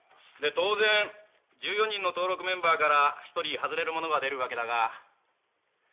で当然１４人の登録メンバーから１人外れる者が出るわけだが。